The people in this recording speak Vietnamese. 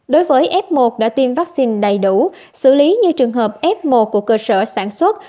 đối với f một đã tiêm vaccine đầy đủ xử lý như trường hợp f một của cơ sở sản xuất